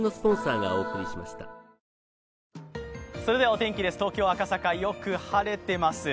お天気です、東京・赤坂よく晴れています。